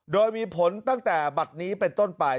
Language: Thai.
โดยมีผลตั้งแต่บัตรนี้เป็นต้นไป